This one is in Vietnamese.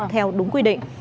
theo đúng quy định